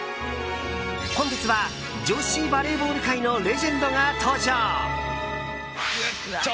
本日は女子バレーボール界のレジェンドが登場。